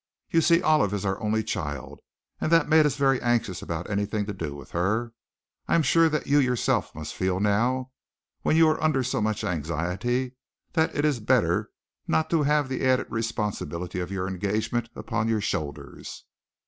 You see Olive is our only child, and that made us very anxious about anything to do with her. I am sure that you yourself must feel now, when you are under so much anxiety, that it is better not to have the added responsibility of your engagement upon your shoulders."